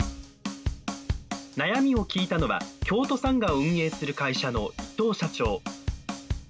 悩みを聞いたのは京都サンガを運営する会社の伊藤社長。